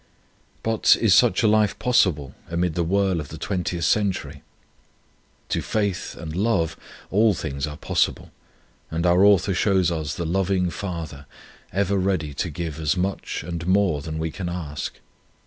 But is such a life possible amid the whirl of the twentieth century? To faith and love all things are possible, and our author shows us the loving Father, ever ready to give as much and more than we can ask.